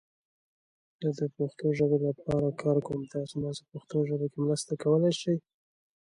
Both ways to get there require a great deal of endurance and patience.